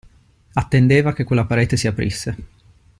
Attendeva che quella parete si aprisse.